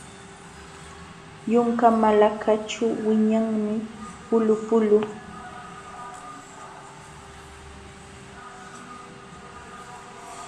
Yunka malakaćhu wiñanmi pulupulu.